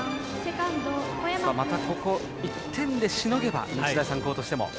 まだ、ここ１点でしのげば日大三高としても。